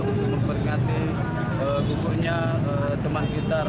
untuk memperingati bukunya teman kita